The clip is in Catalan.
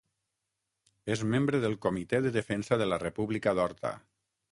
És membre del Comitè de Defensa de la República d'Horta.